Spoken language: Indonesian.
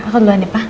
aku duluan ya pak